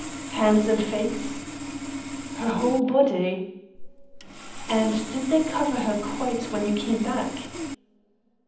"Hands and face?" "Her whole body." "And did they cover her quite when you came back?"